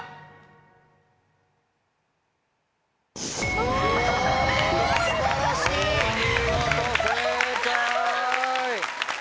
お見事正解。